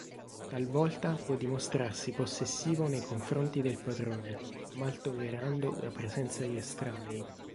Talvolta può dimostrarsi possessivo nei confronti del padrone, mal tollerando la presenza di estranei.